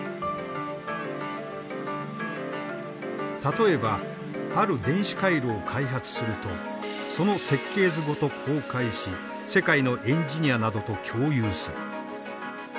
例えばある電子回路を開発するとその設計図ごと公開し世界のエンジニアなどと共有する。